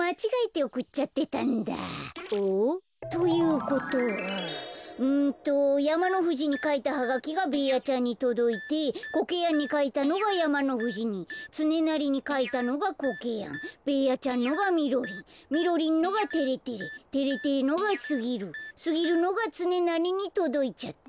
おっ？ということはんとやまのふじにかいたハガキがベーヤちゃんにとどいてコケヤンにかいたのがやまのふじにつねなりにかいたのがコケヤンベーヤちゃんのがみろりんみろりんのがてれてれてれてれのがすぎるすぎるのがつねなりにとどいちゃった。